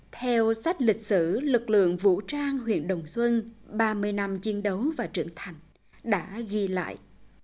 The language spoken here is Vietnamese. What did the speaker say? theo sách lịch sử lực lượng vũ trang huyện đồng xuân ba mươi năm chiến đấu và trưởng thành đã ghi lại